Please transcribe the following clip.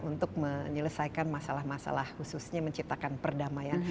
untuk menyelesaikan masalah masalah khususnya menciptakan perdamaian